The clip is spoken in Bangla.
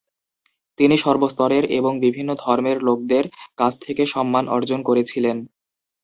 তিনি সর্বস্তরের এবং বিভিন্ন ধর্মের লোকদের কাছ থেকে সম্মান অর্জন করেছিলেন।